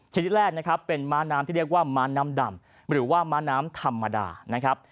ชนิดแรกเป็นมะน้ำที่เรียกว่ามะน้ำดำหรือมะน้ำธรรมดา